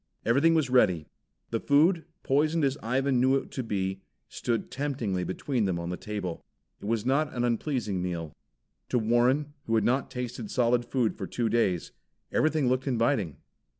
Everything was ready. The food, poisoned as Ivan knew it to be, stood temptingly between them, on the table. It was not an unpleasing meal. To Warren, who had not tasted solid food for two days, everything looked inviting.